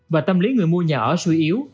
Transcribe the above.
và tâm lý người mua nhà ở suy yếu